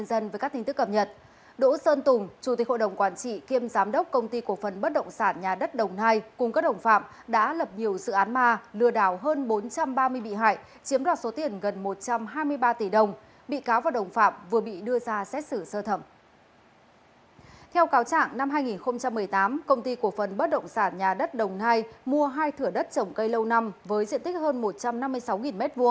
các động sản nhà đất đồng nai mua hai thửa đất trồng cây lâu năm với diện tích hơn một trăm năm mươi sáu m hai